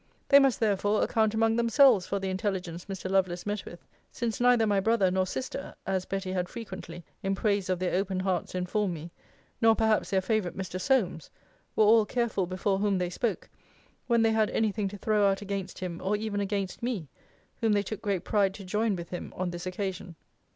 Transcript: They must, therefore, account among themselves for the intelligence Mr. Lovelace met with, since neither my brother nor sister, (as Betty had frequently, in praise of their open hearts, informed me,) nor perhaps their favourite Mr. Solmes, were all careful before whom they spoke, when they had any thing to throw out against him, or even against me, whom they took great pride to join with him on this occasion.